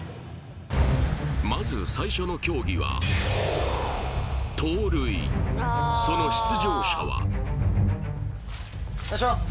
まず最初の競技はその出場者はお願いします